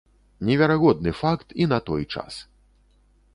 Неверагодны факт і на той час.